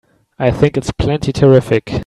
I think it's plenty terrific!